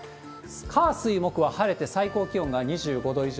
火、水、木は晴れて、最高気温が２５度以上。